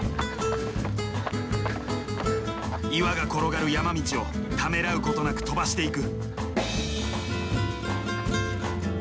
岩が転がる山道をためらうことなく飛ばしていく。